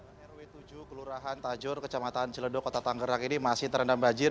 rw tujuh kelurahan tajur kecamatan ciledo kota tangerang ini masih terendam banjir